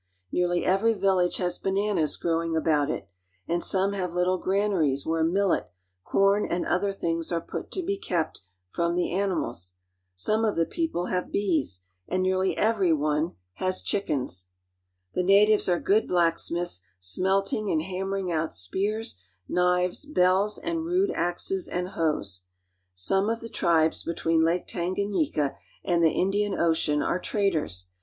Nearly every village has bananas growing ^^^B about it, and some have little granaries where millet, corn, ^^^1 and other things are put to be kept from the animals. ^^^1 Some of the people have bees, and nearly every one ^^H has chickens. ^^H The natives are good blacksmiths, smelting and hammer ^^f ing out spears, knives, bells, and rude axes and hoes. Some of the tribes between Lake Tanganyika and the Indian Ocean are traders.